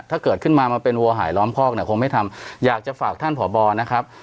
ถ้าเกิดขึ้นมามาเป็นวัวหายล้อมคอกเนี่ยคงไม่ทำอยากจะฝากท่านผอบอนะครับ